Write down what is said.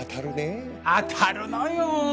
当たるのよ！